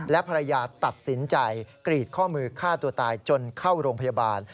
และภรรยาตัดสินใจกรีดข้อมือฆ่าตัวตายจนเข้าโรงพยาบาล